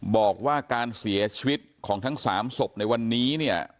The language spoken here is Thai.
บอกว่าการเสียชีวิตของทั้ง๓ศพในวันนี้เนี่ย